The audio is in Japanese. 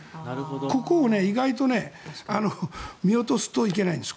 ここを意外と見落とすといけないんです。